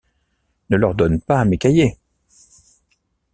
Ne leur donne pas mes cahiers…